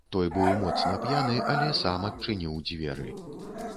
Той быў моцна п'яны, але сам адчыніў дзверы.